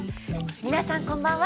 皆さん、こんばんは。